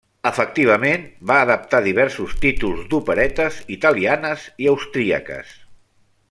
Efectivament va adaptar diversos títols d'operetes italianes i austríaques.